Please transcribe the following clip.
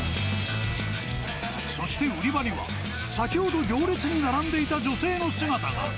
そして、売り場には、先ほど、行列に並んでいた女性の姿が。